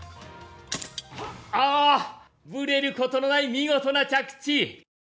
あ、ぶれることのない見事な着地！